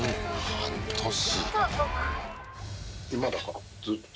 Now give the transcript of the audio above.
半年。